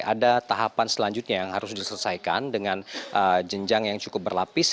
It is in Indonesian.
ada tahapan selanjutnya yang harus diselesaikan dengan jenjang yang cukup berlapis